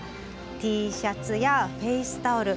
Ｔシャツや、フェースタオル